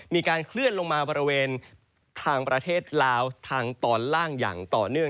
มีการเคลื่อนลงมาบริเวณทางประเทศลาวทางตอนล่างอย่างต่อเนื่อง